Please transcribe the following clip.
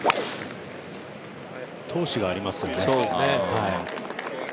闘志がありますよね。